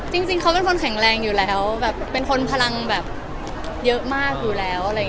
จริงเขาเป็นคนแข็งแรงอยู่แล้วเป็นคนพลังเยอะมากอยู่แล้ว